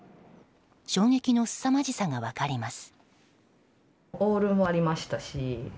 衝撃のすさまじさが分かります。